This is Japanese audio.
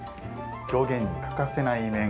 狂言に欠かせない面。